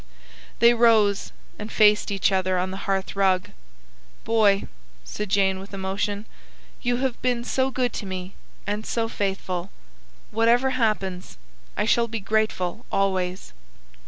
They rose and faced each other on the hearth rug. "Boy," said Jane with emotion, "you have been so good to me, and so faithful. Whatever happens, I shall be grateful always."